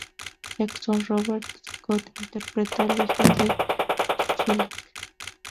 Jackson Robert Scott interpreta al hijo de Schilling.